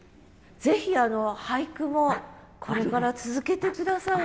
ぜひ俳句もこれから続けて下さい。